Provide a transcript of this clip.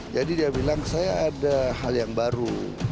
jadi dia bilang saya ada hal yang baru